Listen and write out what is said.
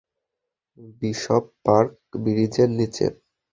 Bishop park, ব্রিজের নিচে।